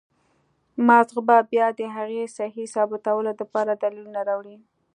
مازغه به بيا د هغې سهي ثابتولو د پاره دليلونه راوړي